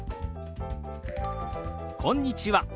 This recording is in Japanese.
「こんにちは」。